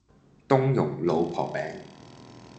冬蓉老婆餅